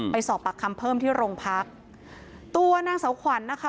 ไปสอบปากคำเพิ่มที่โรงพักตัวนางเสาขวัญนะคะ